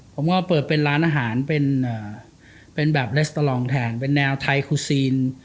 ผมก็เปิดเป็นร้านอาหารเป็นแบบเลสตรองแทนเป็นแนวไทยคูซีน